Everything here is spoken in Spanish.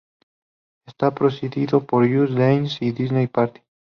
Está precedido por Just Dance: Disney Party.